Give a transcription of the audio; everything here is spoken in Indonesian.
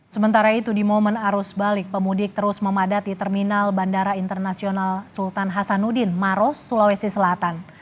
sementara itu di momen arus balik pemudik terus memadati terminal bandara internasional sultan hasanuddin maros sulawesi selatan